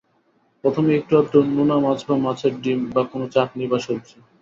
প্রথমে একটু আধটু নোনা মাছ বা মাছের ডিম, বা কোন চাটনি বা সবজি।